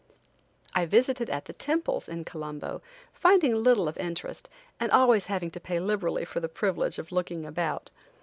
I visited at the temples in Colombo, finding little of interest, and always having to pay liberally for the privilege of looking about.